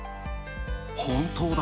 本当だ。